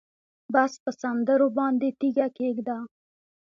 بس په سندرو باندې تیږه کېږده